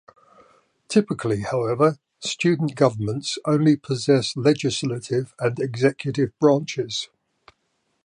Typically, however, student governments only possess legislative and executive branches.